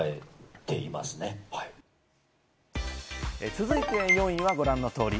続いて４位はご覧の通り。